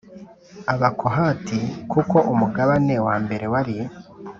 Abakohati kuko umugabane wa mbere wari